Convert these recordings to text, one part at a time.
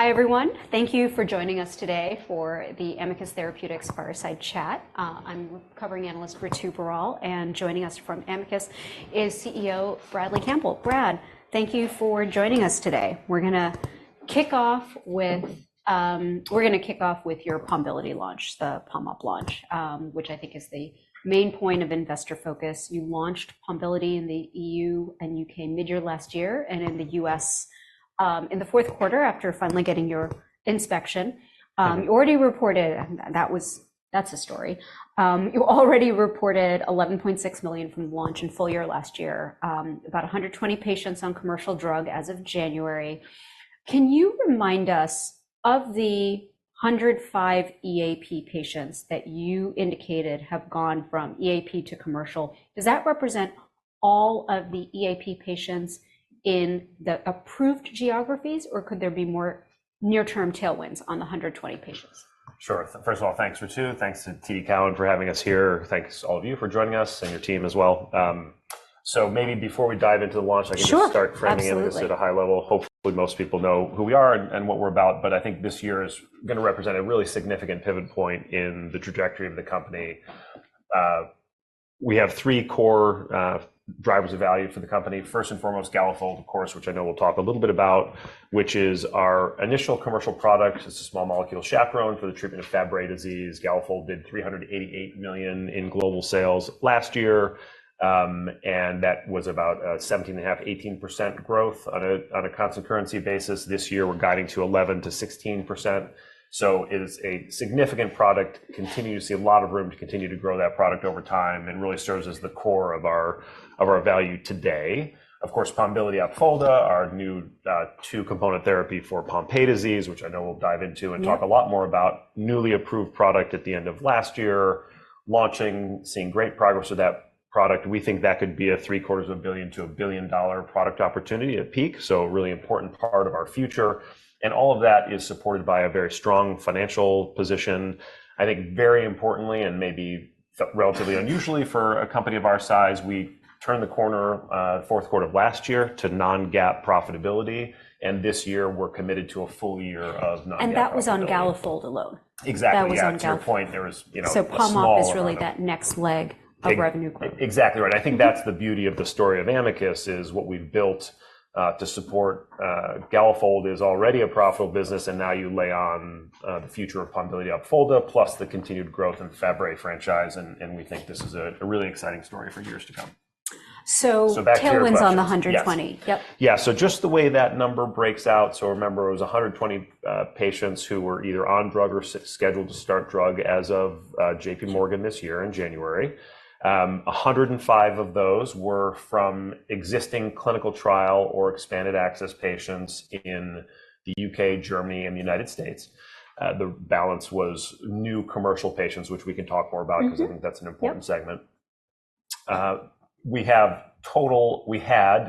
Hi everyone, thank you for joining us today for the Amicus Therapeutics fireside chat. I'm covering analyst Ritu Baral, and joining us from Amicus is CEO Bradley Campbell. Brad, thank you for joining us today. We're going to kick off with your Pombiliti launch, the Pombiliti + Opfolda launch, which I think is the main point of investor focus. You launched Pombiliti in the E.U. and U.K. midyear last year, and in the U.S., in the fourth quarter after finally getting your inspection, you already reported—that was—that's a story. You already reported $11.6 million from launch in full year last year, about 120 patients on commercial drug as of January. Can you remind us of the 105 EAP patients that you indicated have gone from EAP to commercial? Does that represent all of the EAP patients in the approved geographies, or could there be more near-term tailwinds on the 120 patients? Sure. First of all, thanks, Ritu. Thanks to TD Cowen for having us here. Thanks all of you for joining us, and your team as well. So maybe before we dive into the launch, I can just start framing it. Sure, absolutely. Just at a high level. Hopefully most people know who we are and what we're about, but I think this year is going to represent a really significant pivot point in the trajectory of the company. We have three core drivers of value for the company. First and foremost, Galafold, of course, which I know we'll talk a little bit about, which is our initial commercial product. It's a small molecule chaperone for the treatment of Fabry disease. Galafold did $388 million in global sales last year, and that was about 17.5% to 18% growth on a constant currency basis. This year we're guiding to 11% to 16%. So it is a significant product. Continue to see a lot of room to continue to grow that product over time and really serves as the core of our value today. Of course, Pombiliti Opfolda, our new, two-component therapy for Pompe disease, which I know we'll dive into and talk a lot more about, newly approved product at the end of last year, launching, seeing great progress with that product. We think that could be a $750 million to $1 billion product opportunity at peak, so a really important part of our future. All of that is supported by a very strong financial position. I think very importantly, and maybe relatively unusually for a company of our size, we turned the corner, fourth quarter of last year to non-GAAP profitability, and this year we're committed to a full year of non-GAAP. That was on Galafold alone. Exactly, yeah. That was on Galafold. Yeah, to your point, there was, you know, small small. Pomb/Op is really that next leg of revenue growth. Exactly right. I think that's the beauty of the story of Amicus, is what we've built, to support, Galafold is already a profitable business, and now you lay on, the future of Pombiliti Opfolda, plus the continued growth in the Fabry franchise, and, and we think this is a really exciting story for years to come. Tailwinds on the 120. So back here. Yeah, so just the way that number breaks out, so remember it was 120 patients who were either on drug or scheduled to start drug as of J.P. Morgan this year in January. 105 of those were from existing clinical trial or expanded access patients in the U.K., Germany, and the United States. The balance was new commercial patients, which we can talk more about because I think that's an important segment. We had,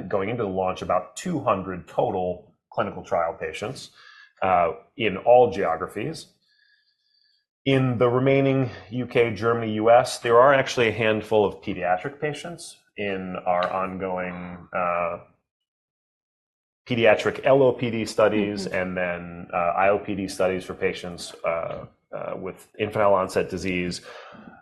going into the launch, about 200 total clinical trial patients in all geographies. In the remaining U.K., Germany, U.S., there are actually a handful of pediatric patients in our ongoing pediatric LOPD studies and then IOPD studies for patients with infantile onset disease.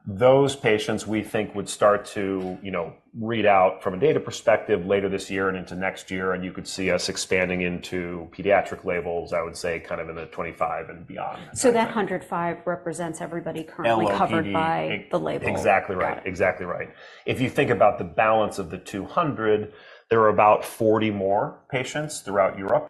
Those patients we think would start to, you know, read out from a data perspective later this year and into next year, and you could see us expanding into pediatric labels, I would say, kind of in 2025 and beyond. That 105 represents everybody currently covered by the label. LOP, exactly right. Exactly right. If you think about the balance of the 200, there are about 40 more patients throughout Europe.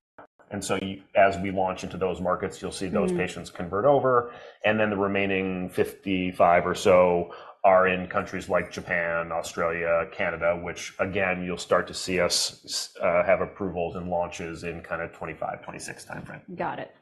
And so you as we launch into those markets, you'll see those patients convert over, and then the remaining 55 or so are in countries like Japan, Australia, Canada, which, again, you'll start to see us have approvals and launches in kind of 2025, 2026 timeframe. Got it.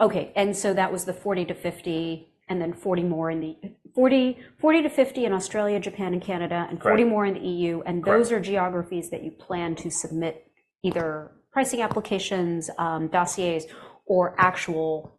Okay, so that was the 40 to 50, and then 40 more in the 40 to 50 in Australia, Japan, and Canada, and 40 more in the EU, and those are geographies that you plan to submit either pricing applications, dossiers, or actual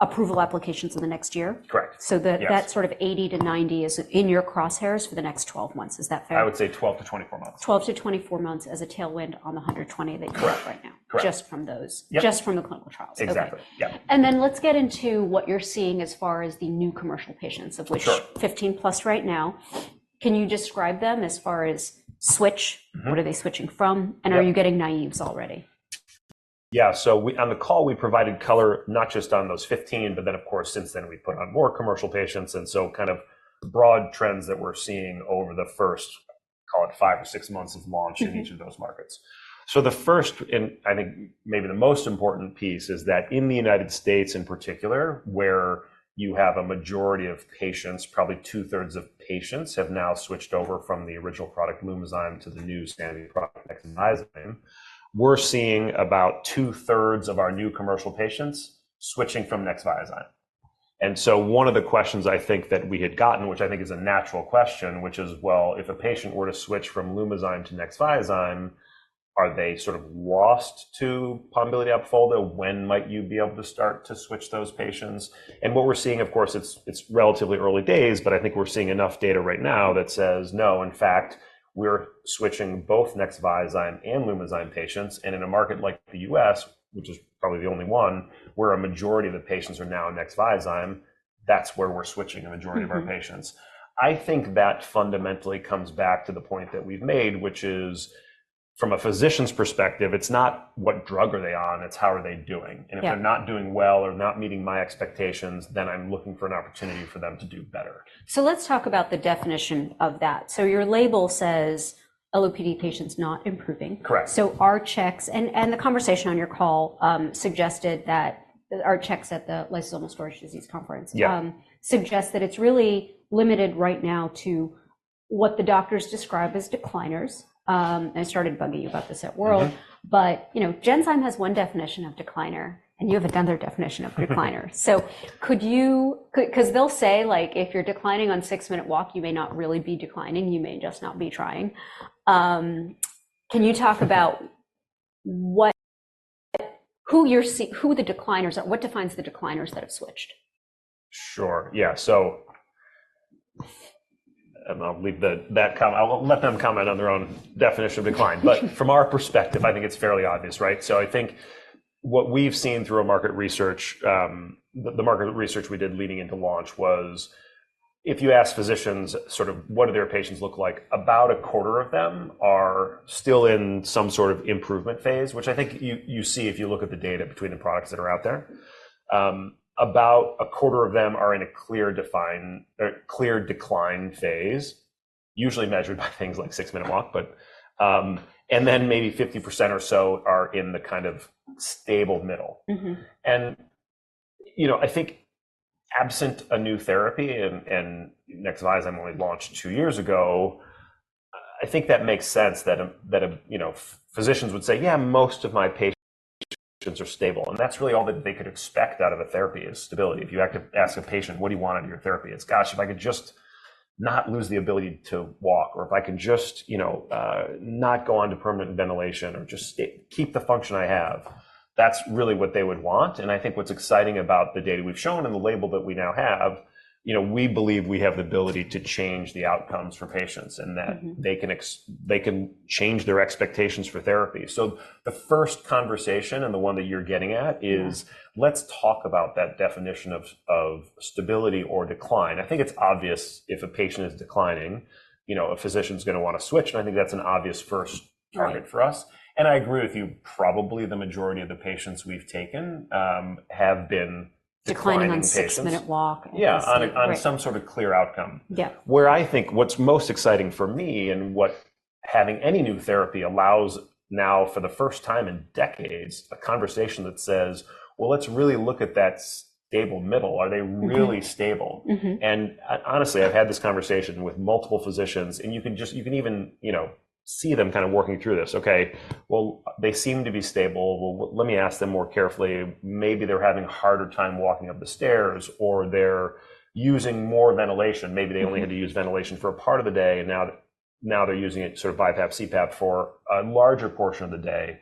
approval applications in the next year? Correct. Yes. So that, that sort of 80 to 90 is in your crosshairs for the next 12 months. Is that fair? I would say 12 to 24 months. 12 to 24 months as a tailwind on the 120 that you have right now. Correct. Just from those. Just from the clinical trials. Okay. Exactly. Yep. Then let's get into what you're seeing as far as the new commercial patients, of which 15+ right now. Can you describe them as far as switch? What are they switching from, and are you getting naives already? Yeah, so we, on the call, we provided color not just on those 15, but then, of course, since then we put on more commercial patients, and so kind of broad trends that we're seeing over the first, call it, five or six months of launch in each of those markets. So the first, and I think maybe the most important piece, is that in the United States in particular, where you have a majority of patients, probably two-thirds of patients, have now switched over from the original product Lumizyme to the new standard product Nexviazyme, we're seeing about two-thirds of our new commercial patients switching from Nexviazyme. And so one of the questions I think that we had gotten, which I think is a natural question, which is, well, if a patient were to switch from Lumizyme to Nexviazyme, are they sort of lost to Pombiliti Opfolda? When might you be able to start to switch those patients? And what we're seeing, of course, it's relatively early days, but I think we're seeing enough data right now that says, no, in fact, we're switching both Nexviazyme and Lumizyme patients, and in a market like the U.S., which is probably the only one, where a majority of the patients are now Nexviazyme, that's where we're switching a majority of our patients. I think that fundamentally comes back to the point that we've made, which is, from a physician's perspective, it's not what drug are they on, it's how are they doing. And if they're not doing well or not meeting my expectations, then I'm looking for an opportunity for them to do better. Let's talk about the definition of that. Your label says LOPD patients not improving. Correct. So our checks and the conversation on your call suggested that our checks at the Lysosomal Storage Disease Conference suggest that it's really limited right now to what the doctors describe as decliners. And I started bugging you about this at World, but, you know, Genzyme has one definition of decliner, and you have another definition of decliner. So could you, because they'll say, like, if you're declining on six-minute walk, you may not really be declining, you may just not be trying. Can you talk about what, who you're seeing, who the decliners are? What defines the decliners that have switched? Sure. Yeah, so I'll leave that, that comment. I'll let them comment on their own definition of decline. But from our perspective, I think it's fairly obvious, right? So I think what we've seen through our market research, the market research we did leading into launch was, if you ask physicians sort of what do their patients look like, about a quarter of them are still in some sort of improvement phase, which I think you, you see if you look at the data between the products that are out there. About a quarter of them are in a clear defined or clear decline phase, usually measured by things like six-minute walk, but, and then maybe 50% or so are in the kind of stable middle. You know, I think absent a new therapy and Nexviazyme only launched two years ago, I think that makes sense that physicians would say, "Yeah, most of my patients are stable," and that's really all that they could expect out of a therapy is stability. If you have to ask a patient, "What do you want out of your therapy?" it's, "Gosh, if I could just not lose the ability to walk," or, "If I can just, you know, not go on to permanent ventilation or just keep the function I have," that's really what they would want. I think what's exciting about the data we've shown and the label that we now have, you know, we believe we have the ability to change the outcomes for patients and that they can change their expectations for therapy. So the first conversation, and the one that you're getting at, is, "Let's talk about that definition of stability or decline." I think it's obvious if a patient is declining, you know, a physician's going to want to switch, and I think that's an obvious first target for us. And I agree with you, probably the majority of the patients we've taken have been declining on six-minute walk. Declining on six-minute walk. Yeah, on some sort of clear outcome. Where I think what's most exciting for me and what having any new therapy allows now for the first time in decades, a conversation that says, "Well, let's really look at that stable middle. Are they really stable? Honestly, I've had this conversation with multiple physicians, and you can just even, you know, see them kind of working through this. Okay, well, they seem to be stable. Well, let me ask them more carefully. Maybe they're having a harder time walking up the stairs, or they're using more ventilation. Maybe they only had to use ventilation for a part of the day, and now they're using it sort of BiPAP, CPAP for a larger portion of the day,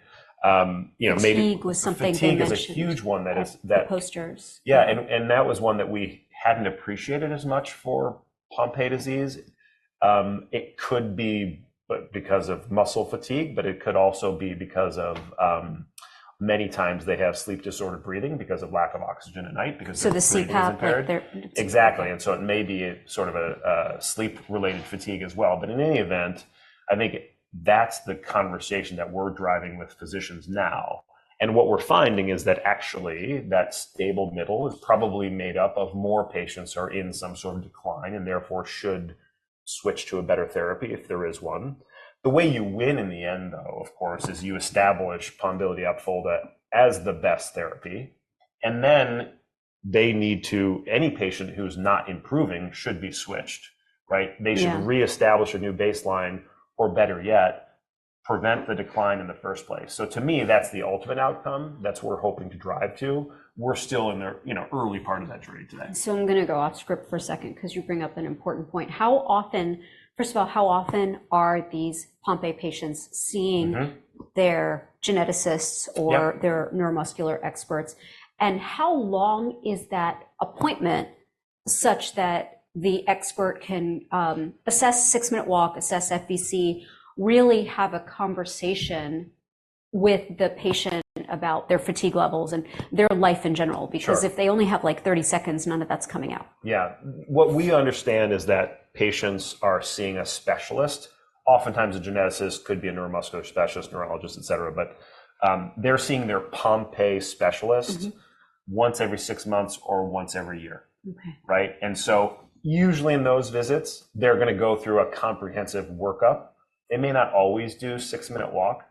you know, maybe. Sleep was something that they should. Sleep was a huge one that is that. Posters. Yeah, and that was one that we hadn't appreciated as much for Pompe disease. It could be because of muscle fatigue, but it could also be because of, many times they have sleep-disordered breathing because of lack of oxygen at night because their sleep is impaired. The CPAP therapy. Exactly. So it may be sort of a sleep-related fatigue as well. But in any event, I think that's the conversation that we're driving with physicians now. And what we're finding is that actually that stable middle is probably made up of more patients who are in some sort of decline and therefore should switch to a better therapy if there is one. The way you win in the end, though, of course, is you establish Pombiliti + Opfolda as the best therapy, and then any patient who's not improving should be switched, right? They should reestablish a new baseline or, better yet, prevent the decline in the first place. So to me, that's the ultimate outcome. That's what we're hoping to drive to. We're still in the, you know, early part of that journey today. So I'm going to go off-script for a second because you bring up an important point. How often, first of all, how often are these Pompe patients seeing their geneticists or their neuromuscular experts, and how long is that appointment such that the expert can assess six-minute walk, assess FVC, really have a conversation with the patient about their fatigue levels and their life in general because if they only have, like, 30 seconds, none of that's coming out? Yeah. What we understand is that patients are seeing a specialist. Oftentimes a geneticist could be a neuromuscular specialist, neurologist, etc., but they're seeing their Pompe specialist once every six months or once every year. Okay. Right? And so usually in those visits, they're going to go through a comprehensive workup. They may not always do six-minute walk.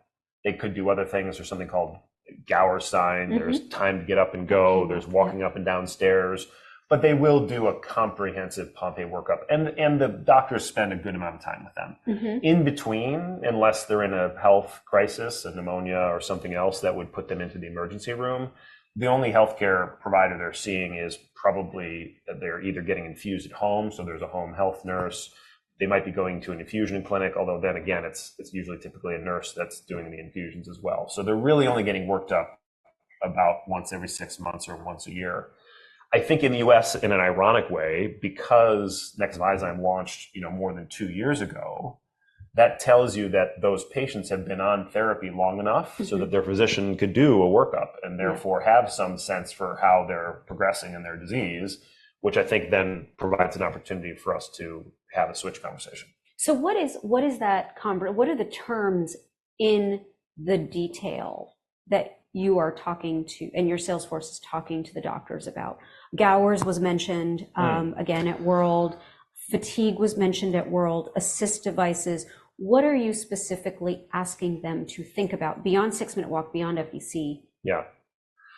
They could do other things. There's something called Gowers' sign. There's Timed Up and Go. There's walking up and down stairs. But they will do a comprehensive Pompe workup, and the doctors spend a good amount of time with them. In between, unless they're in a health crisis, a pneumonia or something else that would put them into the emergency room, the only healthcare provider they're seeing is probably they're either getting infused at home, so there's a home health nurse. They might be going to an infusion clinic, although then again, it's usually typically a nurse that's doing the infusions as well. So they're really only getting worked up about once every six months or once a year. I think in the U.S., in an ironic way, because Nexviazyme launched, you know, more than 2 years ago, that tells you that those patients have been on therapy long enough so that their physician could do a workup and therefore have some sense for how they're progressing in their disease, which I think then provides an opportunity for us to have a switch conversation. So what is what is that conversation? What are the terms in the detail that you are talking to and your salesforce is talking to the doctors about? Gowers' sign was mentioned, again at WORLD Symposium. Fatigue was mentioned at WORLD Symposium. Assist devices. What are you specifically asking them to think about beyond six-minute walk, beyond FVC? To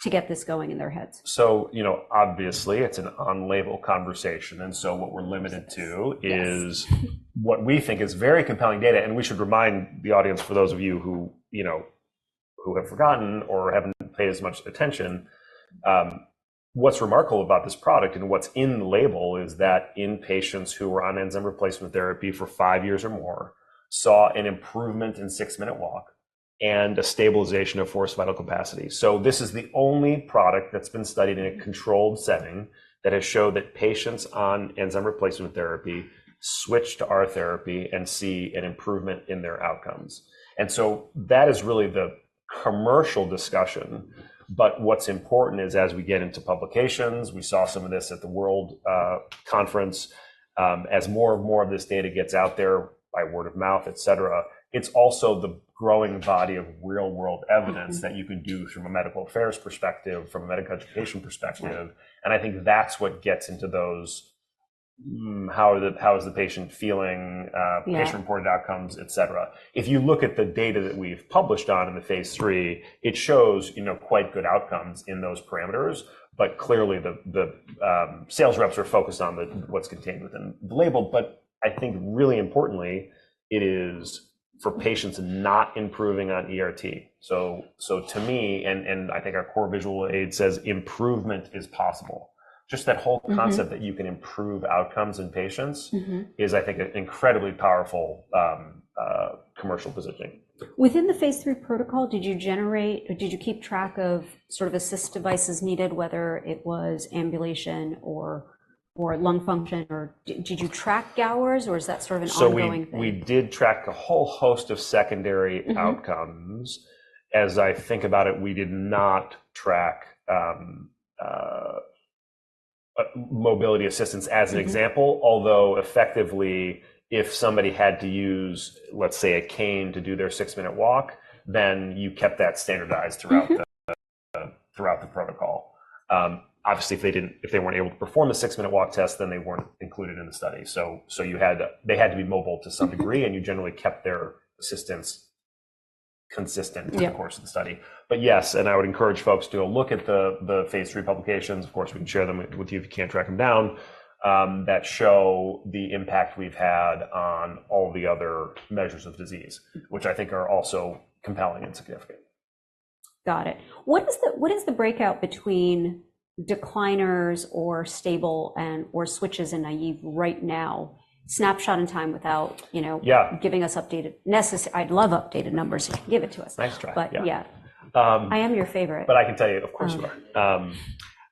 get this going in their heads? So, you know, obviously it's an on-label conversation, and so what we're limited to is what we think is very compelling data, and we should remind the audience, for those of you who, you know, who have forgotten or haven't paid as much attention, what's remarkable about this product and what's in the label is that in patients who were on enzyme replacement therapy for five years or more saw an improvement in 6-minute walk and a stabilization of forced vital capacity. So this is the only product that's been studied in a controlled setting that has showed that patients on enzyme replacement therapy switch to our therapy and see an improvement in their outcomes. And so that is really the commercial discussion, but what's important is as we get into publications, we saw some of this at the WORLD Symposium conference, as more and more of this data gets out there by word of mouth, etc., it's also the growing body of real-world evidence that you can do from a medical affairs perspective, from a medical education perspective, and I think that's what gets into those how is the patient feeling, patient-reported outcomes, etc. If you look at the data that we've published on in the phase III, it shows, you know, quite good outcomes in those parameters, but clearly the sales reps are focused on what's contained within the label. But I think really importantly, it is for patients not improving on ERT. To me, I think our core visual aid says, "Improvement is possible." Just that whole concept that you can improve outcomes in patients is, I think, an incredibly powerful, commercial positioning. Within the phase III protocol, did you generate or did you keep track of sort of assistive devices needed, whether it was ambulation or, or lung function, or did you track Gowers', or is that sort of an ongoing thing? So we did track a whole host of secondary outcomes. As I think about it, we did not track mobility assistance as an example, although effectively if somebody had to use, let's say, a cane to do their six-minute walk, then you kept that standardized throughout the protocol. Obviously if they weren't able to perform the six-minute walk test, then they weren't included in the study. So they had to be mobile to some degree, and you generally kept their assistance consistent through the course of the study. But yes, and I would encourage folks to look at the phase III publications. Of course, we can share them with you if you can't track them down, that show the impact we've had on all the other measures of disease, which I think are also compelling and significant. Got it. What is the breakout between decliners or stable and or switches and naive right now? Snapshot in time without, you know. Giving us updated necessary. I'd love updated numbers if you can give it to us. Nice try. Yeah. I am your favorite. I can tell you, of course you are.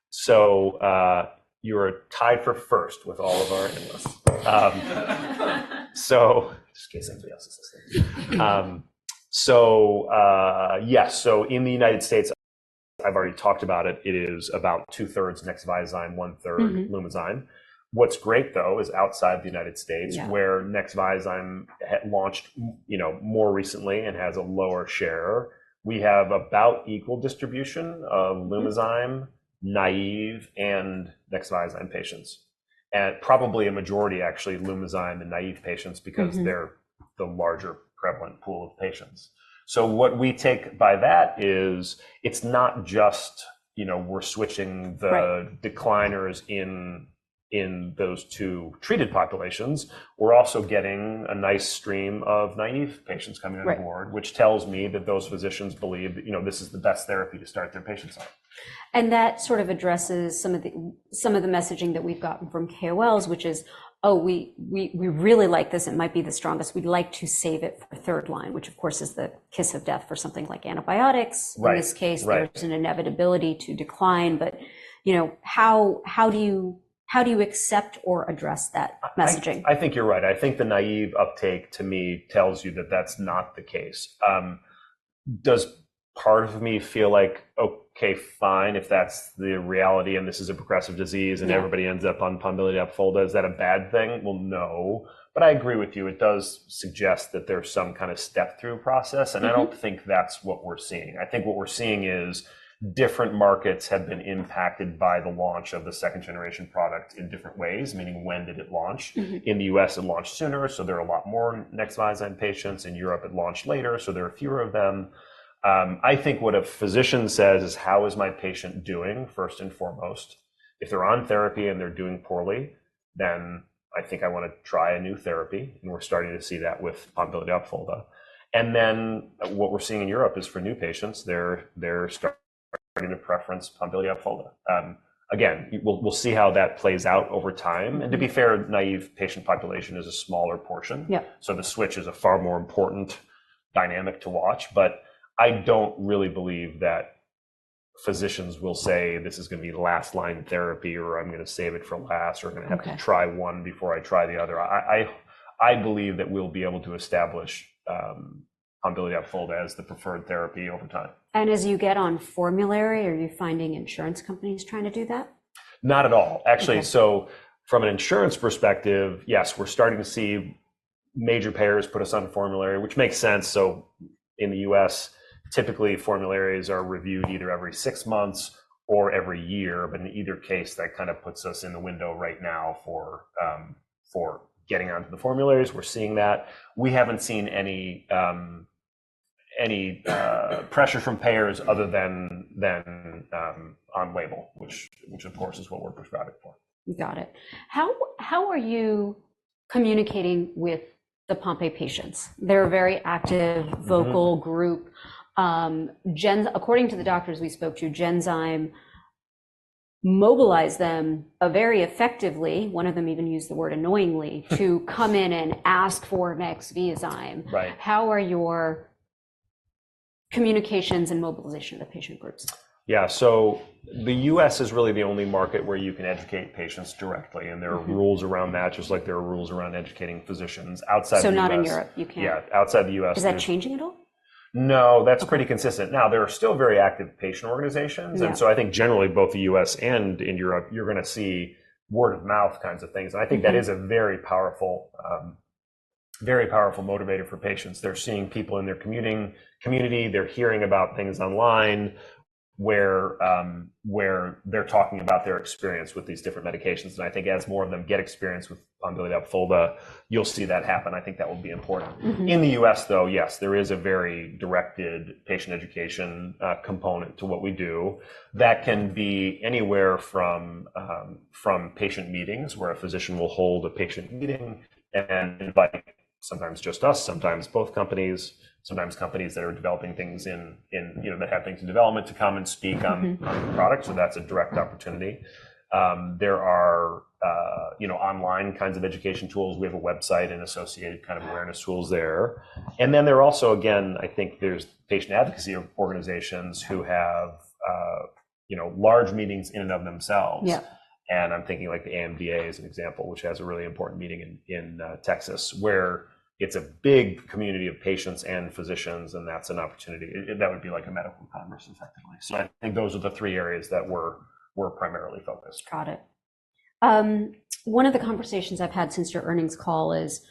So, you are tied for first with all of our analysts. So just in case somebody else is listening. So, yes, so in the United States I've already talked about it. It is about two-thirds Nexviazyme, one-third Lumizyme. What's great, though, is outside the United States where Nexviazyme launched, you know, more recently and has a lower share, we have about equal distribution of Lumizyme, naive, and Nexviazyme patients. And probably a majority, actually, Lumizyme and naive patients because they're the larger prevalent pool of patients. So what we take by that is it's not just, you know, we're switching the decliners in, in those two treated populations. We're also getting a nice stream of naive patients coming on board, which tells me that those physicians believe, you know, this is the best therapy to start their patients on. And that sort of addresses some of the messaging that we've gotten from KOLs, which is, "Oh, we really like this. It might be the strongest. We'd like to save it for third line," which of course is the kiss of death for something like antibiotics. In this case, there's an inevitability to decline, but, you know, how do you accept or address that messaging? I think you're right. I think the naive uptake to me tells you that that's not the case. Does part of me feel like, "Okay, fine, if that's the reality and this is a progressive disease and everybody ends up on Pombiliti Opfolda, is that a bad thing?" Well, no, but I agree with you. It does suggest that there's some kind of step-through process, and I don't think that's what we're seeing. I think what we're seeing is different markets have been impacted by the launch of the second-generation product in different ways, meaning when did it launch? In the U.S., it launched sooner, so there are a lot more Nexviazyme patients. In Europe, it launched later, so there are fewer of them. I think what a physician says is, "How is my patient doing?" First and foremost, if they're on therapy and they're doing poorly, then I think I want to try a new therapy, and we're starting to see that with Pombiliti + Opfolda. And then what we're seeing in Europe is for new patients, they're starting to preference Pombiliti + Opfolda. Again, we'll see how that plays out over time. And to be fair, naive patient population is a smaller portion. So the switch is a far more important dynamic to watch, but I don't really believe that physicians will say, "This is going to be the last-line therapy," or, "I'm going to save it for last," or, "I'm going to have to try one before I try the other." I believe that we'll be able to establish Pombiliti Opfolda as the preferred therapy over time. As you get on formulary, are you finding insurance companies trying to do that? Not at all. Actually, from an insurance perspective, yes, we're starting to see major payers put us on formulary, which makes sense. In the U.S., typically formularies are reviewed either every six months or every year, but in either case, that kind of puts us in the window right now for getting onto the formularies. We're seeing that. We haven't seen any pressure from payers other than on label, which of course is what we're prescribing for. Got it. How, how are you communicating with the Pompe patients? They're a very active, vocal group. Genzyme, according to the doctors we spoke to, Genzyme mobilized them very effectively. One of them even used the word annoyingly to come in and ask for Nexviazyme. How are your communications and mobilization of the patient groups? Yeah. So the U.S. is really the only market where you can educate patients directly, and there are rules around that, just like there are rules around educating physicians outside of Europe. So not in Europe. You can't. Yeah. Outside the U.S. Is that changing at all? No, that's pretty consistent. Now, there are still very active patient organizations, and so I think generally both the U.S. and in Europe, you're going to see word-of-mouth kinds of things, and I think that is a very powerful, very powerful motivator for patients. They're seeing people in their community. They're hearing about things online where, where they're talking about their experience with these different medications. And I think as more of them get experience with Pombiliti Opfolda, you'll see that happen. I think that will be important. In the U.S., though, yes, there is a very directed patient education component to what we do that can be anywhere from patient meetings where a physician will hold a patient meeting and invite sometimes just us, sometimes both companies, sometimes companies that are developing things in, you know, that have things in development to come and speak on the product, so that's a direct opportunity. There are, you know, online kinds of education tools. We have a website and associated kind of awareness tools there. And then there also, again, I think there's patient advocacy organizations who have, you know, large meetings in and of themselves. I'm thinking like the AMDA is an example, which has a really important meeting in Texas where it's a big community of patients and physicians, and that's an opportunity. That would be like a medical conference, effectively. So I think those are the three areas that we're primarily focused. Got it. One of the conversations I've had since your earnings call is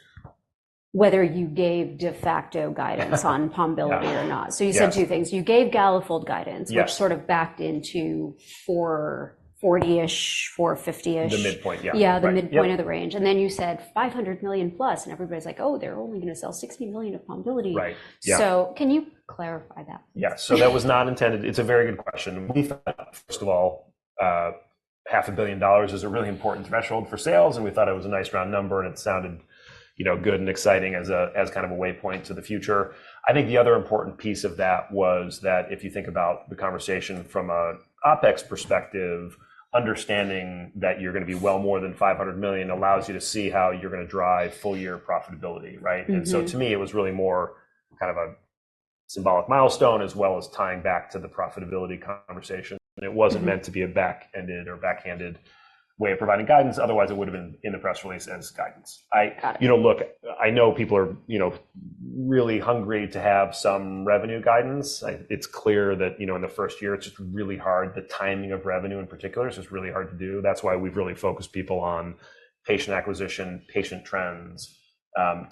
whether you gave de facto guidance on Pombiliti or not. So you said two things. You gave Galafold guidance, which sort of backed into $440-ish, $450-ish. The midpoint, yeah. Yeah, the midpoint of the range. And then you said $500 million plus, and everybody's like, "Oh, they're only going to sell $60 million of Pombiliti. Right. Yeah. Can you clarify that? Yeah. So that was not intended. It's a very good question. We thought, first of all, $500 million is a really important threshold for sales, and we thought it was a nice round number, and it sounded, you know, good and exciting as a as kind of a waypoint to the future. I think the other important piece of that was that if you think about the conversation from an OpEx perspective, understanding that you're going to be well more than $500 million allows you to see how you're going to drive full-year profitability, right? And so to me, it was really more kind of a symbolic milestone as well as tying back to the profitability conversation. And it wasn't meant to be a back-ended or backhanded way of providing guidance. Otherwise, it would have been in the press release as guidance. I, you know, look, I know people are, you know, really hungry to have some revenue guidance. It's clear that, you know, in the first year, it's just really hard. The timing of revenue in particular is just really hard to do. That's why we've really focused people on patient acquisition, patient trends.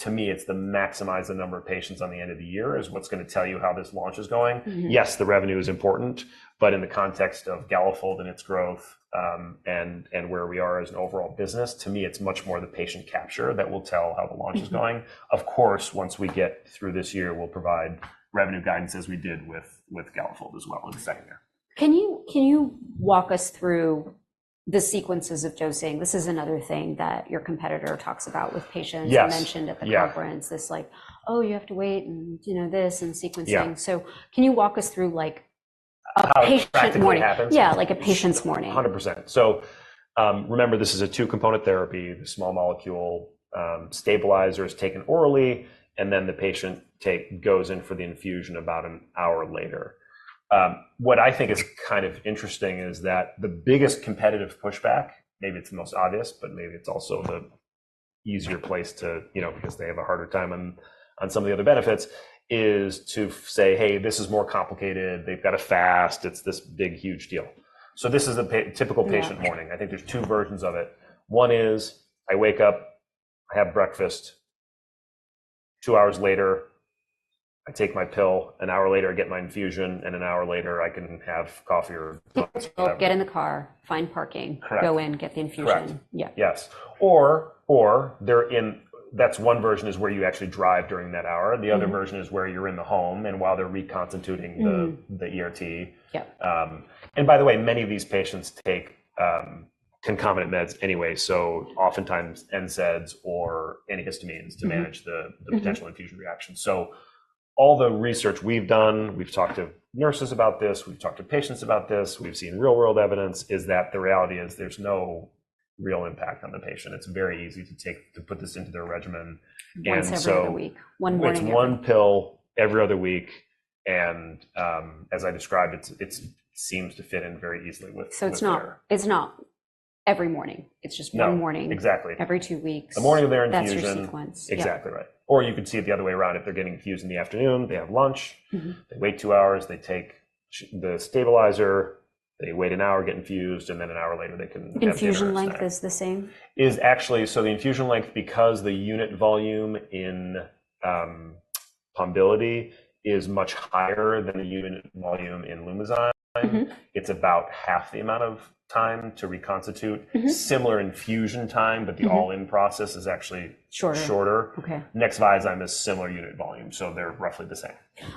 To me, it's the maximize the number of patients on the end of the year is what's going to tell you how this launch is going. Yes, the revenue is important, but in the context of Galafold and its growth, and, and where we are as an overall business, to me, it's much more the patient capture that will tell how the launch is going. Of course, once we get through this year, we'll provide revenue guidance as we did with, with Galafold as well in the second year. Can you walk us through the sequences of Joe saying, "This is another thing that your competitor talks about with patients?" You mentioned at the conference this, like, "Oh, you have to wait and, you know, this and sequencing." So can you walk us through, like, a patient's morning? Yeah, like a patient's morning. 100%. So, remember, this is a two-component therapy, the small molecule, stabilizers taken orally, and then the patient take goes in for the infusion about an hour later. What I think is kind of interesting is that the biggest competitive pushback, maybe it's the most obvious, but maybe it's also the easier place to, you know, because they have a harder time on, on some of the other benefits, is to say, "Hey, this is more complicated. They've got to fast. It's this big, huge deal." So this is a typical patient morning. I think there's two versions of it. One is I wake up, I have breakfast. Two hours later, I take my pill. An hour later, I get my infusion, and an hour later, I can have coffee or. Get in the car, find parking, go in, get the infusion. Correct. Yes. Or, or they're in. That's one version: where you actually drive during that hour. The other version is where you're in the home and while they're reconstituting the ERT. And by the way, many of these patients take concomitant meds anyway, so oftentimes NSAIDs or antihistamines to manage the potential infusion reaction. So all the research we've done, we've talked to nurses about this. We've talked to patients about this. We've seen real-world evidence is that the reality is there's no real impact on the patient. It's very easy to take to put this into their regimen. Once every other week. One morning. It's one pill every other week. As I described, it seems to fit in very easily with the care. So it's not every morning. It's just one morning. No. Exactly. Every two weeks. A morning of their infusion. That's your sequence. Exactly right. Or you could see it the other way around. If they're getting infused in the afternoon, they have lunch. They wait two hours. They take the stabilizer. They wait an hour getting infused, and then an hour later, they can have their dose. Infusion length is the same? It's actually so the infusion length, because the unit volume in Pombiliti is much higher than the unit volume in Lumizyme, it's about half the amount of time to reconstitute. Similar infusion time, but the all-in process is actually shorter. Nexviazyme is similar unit volume, so they're roughly the same.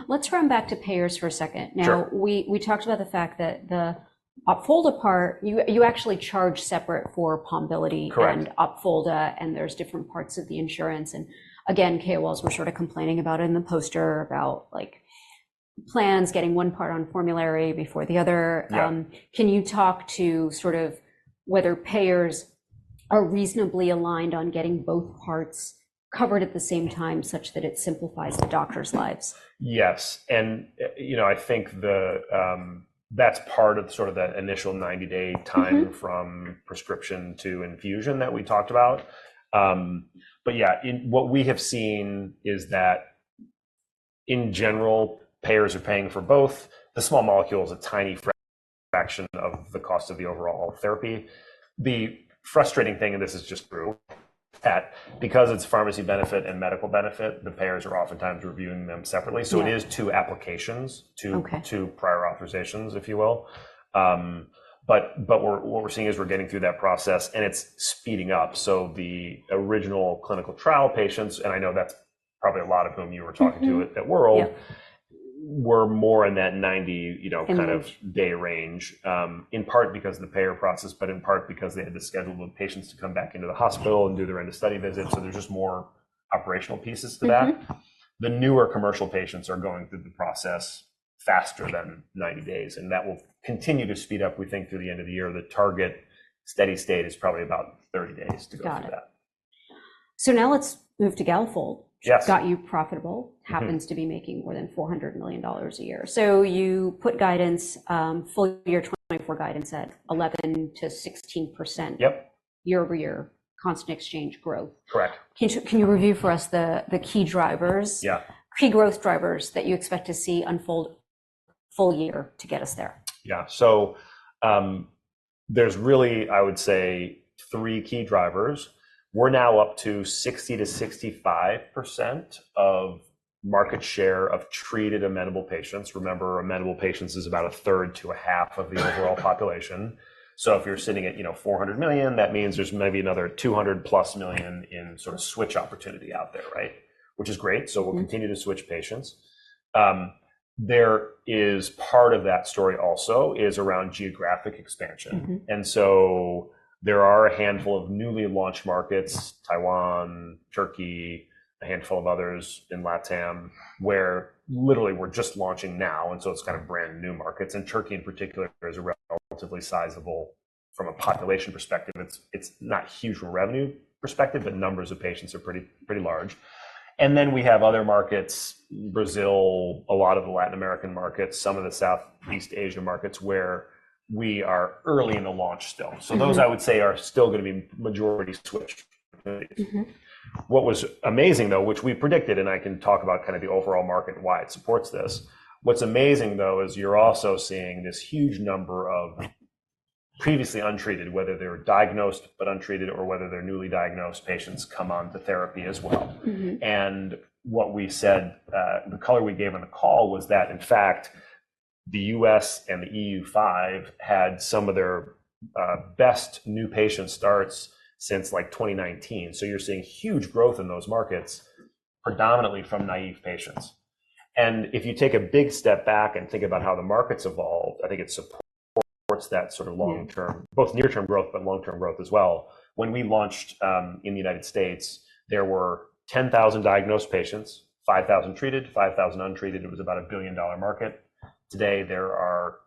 Let's run back to payers for a second. Now, we, we talked about the fact that the Opfolda part, you, you actually charge separate for Pombiliti and Opfolda, and there's different parts of the insurance. And again, KOLs were sort of complaining about it in the poster about, like, plans getting one part on formulary before the other. Can you talk to sort of whether payers are reasonably aligned on getting both parts covered at the same time such that it simplifies the doctors' lives? Yes. And, you know, I think that's part of sort of that initial 90-day time from prescription to infusion that we talked about. But yeah, in what we have seen is that in general, payers are paying for both. The small molecule is a tiny fraction of the cost of the overall therapy. The frustrating thing, and this is just true, that because it's pharmacy benefit and medical benefit, the payers are oftentimes reviewing them separately. So it is two applications, two, two prior authorizations, if you will. But, but we're what we're seeing is we're getting through that process, and it's speeding up. So the original clinical trial patients, and I know that's probably a lot of whom you were talking to at World, were more in that 90, you know, kind of day range, in part because of the payer process, but in part because they had to schedule the patients to come back into the hospital and do their end-of-study visit. So there's just more operational pieces to that. The newer commercial patients are going through the process faster than 90 days, and that will continue to speed up, we think, through the end of the year. The target steady state is probably about 30 days to go through that. Got it. So now let's move to Galafold. Got it profitable. Happens to be making more than $400 million a year. So you put guidance, full-year 2024 guidance at 11%-16% year-over-year, constant exchange growth. Correct. Can you review for us the key drivers, key growth drivers that you expect to see unfold full year to get us there? Yeah. So, there's really, I would say, three key drivers. We're now up to 60% to 65% of market share of treated amenable patients. Remember, amenable patients is about a third to a half of the overall population. So if you're sitting at, you know, $400 million, that means there's maybe another $200+ million in sort of switch opportunity out there, right, which is great. So we'll continue to switch patients. There is part of that story also is around geographic expansion. And so there are a handful of newly launched markets: Taiwan, Turkey, a handful of others in LATAM, where literally we're just launching now. And so it's kind of brand new markets. And Turkey in particular is a relatively sizable from a population perspective. It's, it's not huge from a revenue perspective, but numbers of patients are pretty, pretty large. And then we have other markets: Brazil, a lot of the Latin American markets, some of the Southeast Asian markets where we are early in the launch still. So those, I would say, are still going to be majority switched companies. What was amazing, though, which we predicted, and I can talk about kind of the overall market and why it supports this, what's amazing, though, is you're also seeing this huge number of previously untreated, whether they're diagnosed but untreated or whether they're newly diagnosed patients come onto therapy as well. And what we said, the color we gave on the call was that, in fact, the U.S. and the EU5 had some of their best new patient starts since, like, 2019. So you're seeing huge growth in those markets, predominantly from naive patients. If you take a big step back and think about how the markets evolved, I think it supports that sort of long-term, both near-term growth but long-term growth as well. When we launched, in the United States, there were 10,000 diagnosed patients, 5,000 treated, 5,000 untreated. It was about a $1 billion market. Today, there are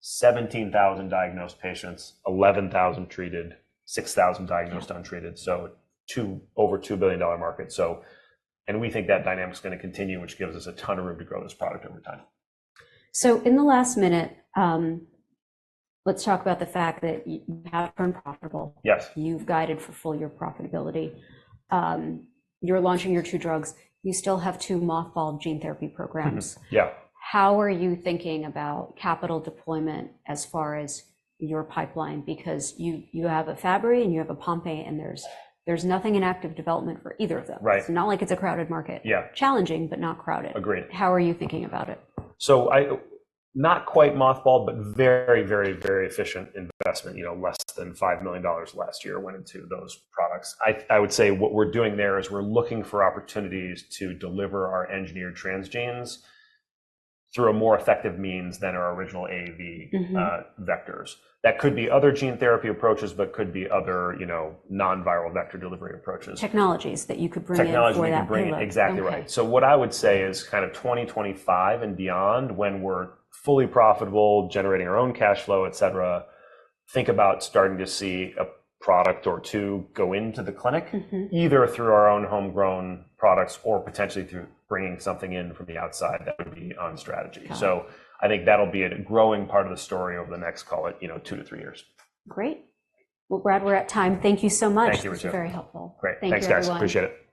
17,000 diagnosed patients, 11,000 treated, 6,000 diagnosed untreated. So too over $2 billion market. So and we think that dynamic's going to continue, which gives us a ton of room to grow this product over time. In the last minute, let's talk about the fact that you have turned profitable. Yes. You've guided for full-year profitability. You're launching your two drugs. You still have two mothball gene therapy programs. How are you thinking about capital deployment as far as your pipeline? Because you have a Fabry and you have a Pompe, and there's nothing in active development for either of them. It's not like it's a crowded market. Yeah, challenging, but not crowded. Agreed. How are you thinking about it? So, I not quite mothball, but very, very, very efficient investment, you know, less than $5 million last year went into those products. I would say what we're doing there is we're looking for opportunities to deliver our engineered transgenes through a more effective means than our original AAV vectors. That could be other gene therapy approaches, but could be other, you know, non-viral vector delivery approaches. Technologies that you could bring in for that brand. Technologies we bring. Exactly right. So what I would say is kind of 2025 and beyond, when we're fully profitable, generating our own cash flow, etc., think about starting to see a product or two go into the clinic, either through our own homegrown products or potentially through bringing something in from the outside that would be on strategy. So I think that'll be a growing part of the story over the next, call it, you know, two to three years. Great. Well, Brad, we're at time. Thank you so much. Thank you, Ritu. This was very helpful. Great. Thanks, guys. Appreciate it.